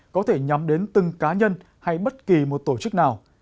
có thể nhắm đến từng cá nhân hay bất kỳ một tổ chức nào